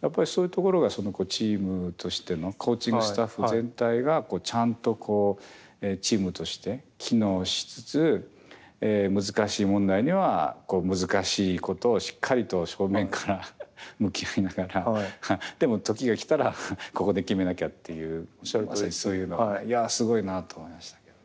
やっぱりそういうところがすごくチームとしてのコーチングスタッフ全体がちゃんとチームとして機能しつつ難しい問題には難しいことをしっかりと正面から向き合いながらでも時が来たらここで決めなきゃっていうそういうのはいやすごいなと思いましたけど。